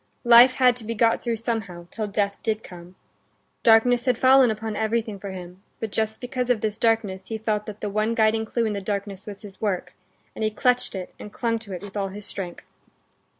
Life had to be got through somehow till death did come. Darkness had fallen upon everything for him; but just because of this darkness he felt that the one guiding clue in the darkness was his work, and he clutched it and clung to it with all his strength.